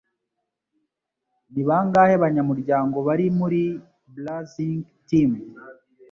Ni bangahe banyamuryango bari muri Blazing Team